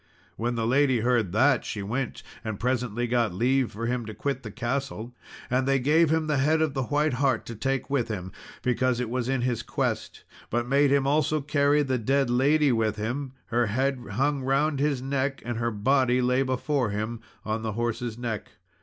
When the lady heard that, she went and presently got leave for him to quit the castle; and they gave him the head of the white hart to take with him, because it was in his quest; but made him also carry the dead lady with him her head hung round his neck and her body lay before him on his horse's neck.